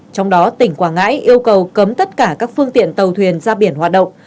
trong đó tỉnh quảng ngãi yêu cầu cấm tất cả các phương tiện tàu thuyền ra biển hoạt động